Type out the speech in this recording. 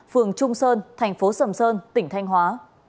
phường trung sơn thành phố sầm sơn tỉnh thanh hóa